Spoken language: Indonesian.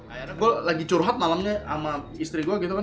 akhirnya gue lagi curhat malamnya sama istri gue gitu kan